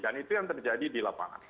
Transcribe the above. dan itu yang terjadi di lapangan